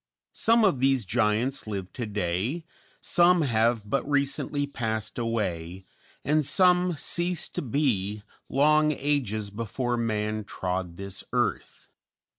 Some of these giants live to day, some have but recently passed away, and some ceased to be long ages before man trod this earth.